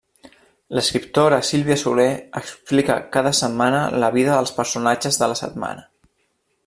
L'escriptora Sílvia Soler explica cada setmana la vida dels personatges de la setmana.